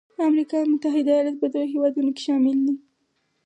امریکا متحده ایالات په دغو هېوادونو کې شامل دی.